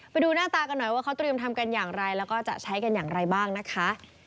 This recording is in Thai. ไปดูหน้าตากันหน่อยว่าเขาเตรียมทำกันอย่างไรแล้วก็จะใช้กันอย่างไรบ้างนะคะ